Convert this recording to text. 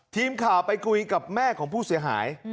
ทีมข่าวไปคุยกับแม่ของผู้เสียหาย